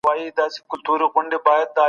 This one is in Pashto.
موږ کولای سو له طبیعي میتودونو کار واخلو.